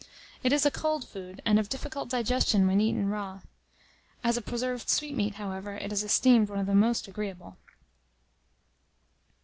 It is a cold food, and of difficult digestion when eaten raw. As a preserved sweetmeat, however, it is esteemed one of the most agreeable.